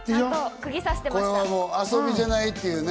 これはもう遊びじゃないっていうね。